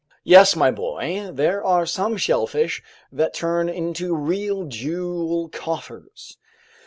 "Yes, my boy. There are some shellfish that turn into real jewel coffers.